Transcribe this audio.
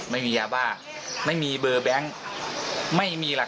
ส่งมาขอความช่วยเหลือจากเพื่อนครับ